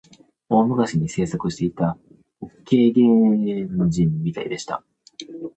大昔に生息していた北京原人みたいでした